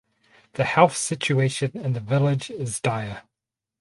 The health situation in the village is dire.